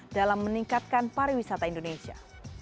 dalam meningkatkan pariwisata indonesia